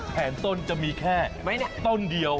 ต้นจะมีแค่ต้นเดียว